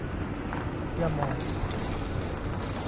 ยาหม่อง